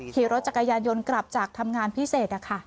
ขี่รถจักรยานยนต์กลับจากทำงานพิเศษ